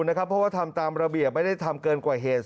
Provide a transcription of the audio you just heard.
เพราะว่าทำตามระเบียบไม่ได้ทำเกินกว่าเหตุ